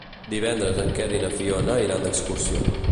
Divendres en Quer i na Fiona iran d'excursió.